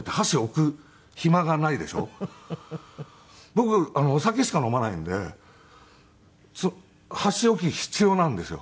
僕お酒しか飲まないので箸置き必要なんですよ。